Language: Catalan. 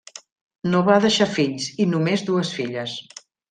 No va deixar fills, i només dues filles.